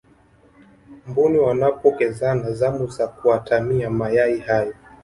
mbuni wanapokezana zamu za kuatamia mayai hayo